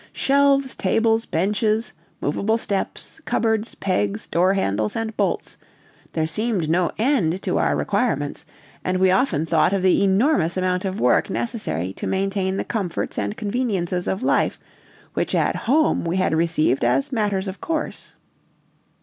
Shelves, tables, benches, movable steps, cupboards, pegs, door handles, and bolts there seemed no end to our requirements, and we often thought of the enormous amount of work necessary to maintain the comforts and conveniences of life which at home we had received as matters of course.